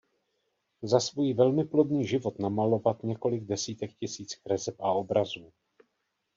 Za svůj velmi plodný život namalovat několik desítek tisíc kreseb a obrazů.